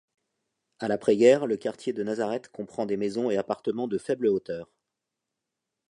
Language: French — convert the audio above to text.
À l'après-guerre, le quartier de Nazareth comprend des maisons et appartements de faible hauteur.